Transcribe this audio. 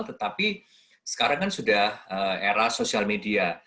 tetapi sekarang kan sudah era sosial media